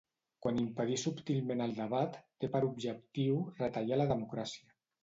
Quan impedir subtilment el debat té per objectiu retallar la democràcia.